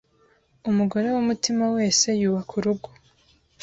Umugore w’umutima wese yubaka urugo.